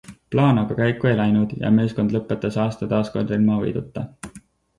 Plaan aga käiku ei läinud ja meeskond lõpetas aasta taaskord ilma võiduta.